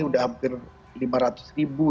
udah hampir lima ratus ribu